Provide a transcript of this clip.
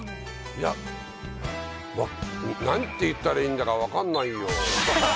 いや、なんて言ったらいいんだか分かんないよぉ。